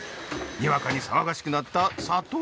にわかに騒がしくなった佐藤家。